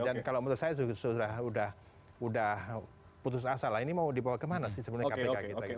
dan kalau menurut saya sudah putus asa lah ini mau dibawa kemana sih sebenarnya kpk kita